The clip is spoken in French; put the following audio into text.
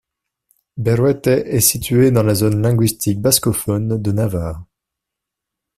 Beruete est situé dans la zone linguistique bascophone de Navarre.